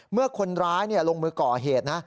เมื่อคนร้ายลงมือก่อเหตุนะ